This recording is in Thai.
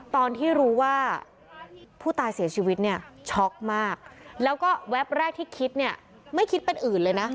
ตอนที่รู้ว่าผู้ตายเสียชีวิตเนี่ยช็อกมากแล้วก็แวบแรกที่คิดเนี่ยไม่คิดเป็นอื่นเลยนะ